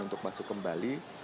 untuk masuk kembali